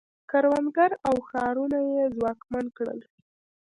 کروندګر او ښارونه یې ځواکمن کړل